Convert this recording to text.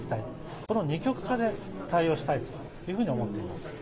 この二極化で対応したいというふうに思っています。